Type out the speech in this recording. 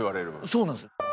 そうなんです。